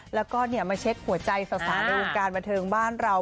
แล้วก็มาเช็คหัวใจสาวในวงการบันเทิงบ้านเรา